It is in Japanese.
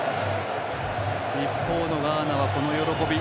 一方のガーナは、この喜び。